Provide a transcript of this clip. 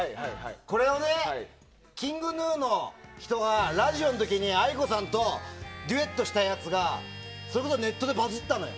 これをＫｉｎｇＧｎｕの人がラジオの時にａｉｋｏさんとデュエットしたやつがそれこそネットでバズったのよ。